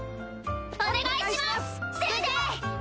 お願いします先生！